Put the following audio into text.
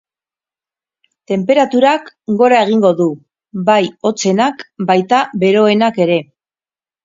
Tenperaturak gora egingo du, bai hotzenak baita beroenak ere.